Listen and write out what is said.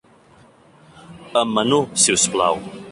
Amb menú, si us plau.